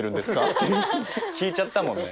って聞いちゃったもんね。